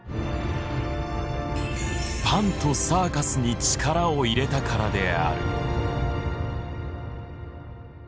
「パン」と「サーカス」に力を入れたからである。